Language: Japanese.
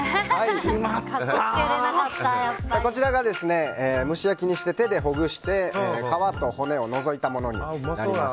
こちらが蒸し焼きにして手でほぐして皮と骨を除いたものです。